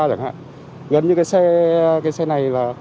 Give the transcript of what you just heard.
gần như cái xe này